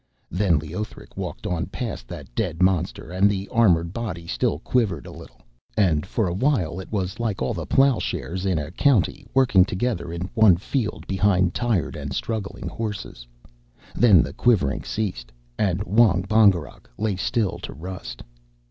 Then Leothric walked on past that dead monster, and the armoured body still quivered a little. And for a while it was like all the ploughshares in a county working together in one field behind tired and struggling horses; then the quivering ceased, and Wong Bongerok lay still to rust.